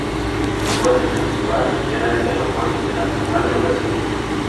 Su base principal era el Aeropuerto Internacional de Brasilia.